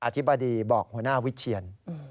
ธิบดีบอกหัวหน้าวิเชียน